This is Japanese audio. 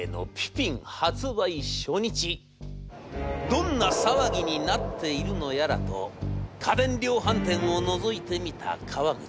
どんな騒ぎになっているのやらと家電量販店をのぞいてみた川口。